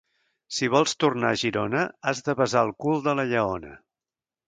Si vols tornar a Girona, has de besar el cul de la lleona.